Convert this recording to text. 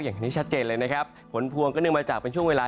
อย่างค่อนข้างชัดเจนเลยฝนพ่วงก็นึงมาจากเป็นช่วงแล้ว